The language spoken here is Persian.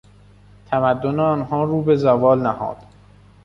تمدن آنها رو به زوال نهاد.